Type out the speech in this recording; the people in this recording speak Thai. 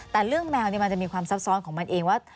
แต่เรื่องแมวมันจะมีความซับซ้อนของมันเองว่า